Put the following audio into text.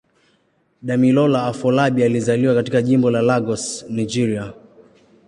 Damilola Afolabi alizaliwa katika Jimbo la Lagos, Nigeria.